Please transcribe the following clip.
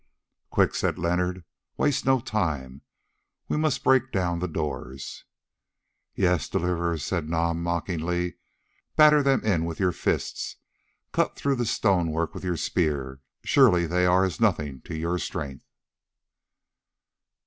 "Quick!" said Leonard, "waste no time, we must break down the doors." "Yes, Deliverer," said Nam mockingly; "batter them in with your fists, cut through the stone work with your spears; surely they are as nothing to your strength!"